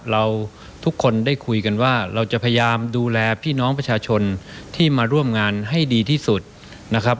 เราทุกคนได้คุยกันว่าเราจะพยายามดูแลพี่น้องประชาชนที่มาร่วมงานให้ดีที่สุดนะครับ